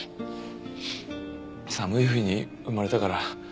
寒い冬に生まれたから。